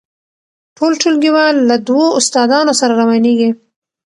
ټول ټولګیوال له دوو استادانو سره روانیږي.